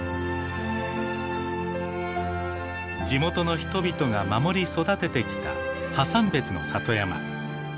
地元の人々が守り育ててきたハサンベツの里山。